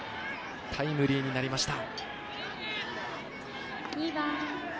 タイムリーになりました。